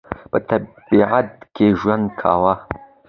په تبعید کې ژوند کاوه.